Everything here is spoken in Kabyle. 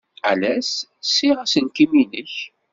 Ales ssiɣ aselkim-nnek.